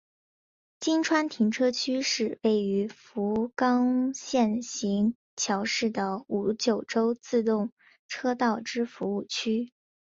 今川停车区是位于福冈县行桥市的东九州自动车道之服务区。